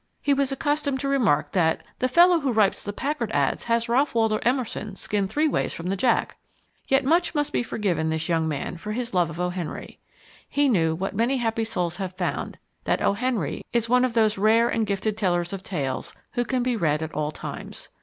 He was accustomed to remark that "the fellow who writes the Packard ads has Ralph Waldo Emerson skinned three ways from the Jack." Yet much must be forgiven this young man for his love of O. Henry. He knew, what many other happy souls have found, that O. Henry is one of those rare and gifted tellers of tales who can be read at all times.